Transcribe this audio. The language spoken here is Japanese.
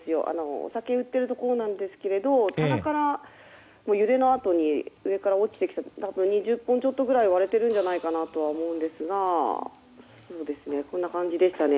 お酒を売っているところなんですけど棚から揺れのあとに上から落ちてきて２０本ちょっとくらい割れているのではと思うんですがこんな感じでしたね。